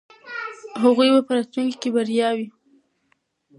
هغوی به په راتلونکي کې بریالي وي.